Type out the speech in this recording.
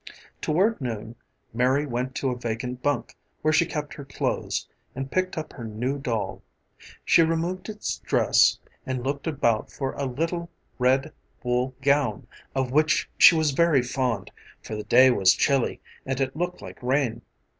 Toward noon, Mary went to a vacant bunk where she kept her clothes, and picked up her new doll. She removed its dress and looked about for a little, red, wool gown, of which she was very fond, for the day was chilly and it looked like rain.